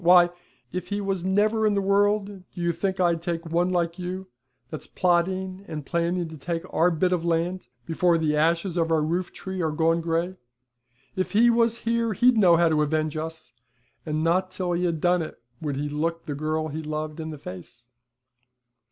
Why, if he was never in the world, do you think I'd take one like you, that's plotting and planning to take our bit of land before the ashes of our roof tree are gone gray? If he was here he'd know how to avenge us, and not till he had done it would he look the girl he loved in the face.'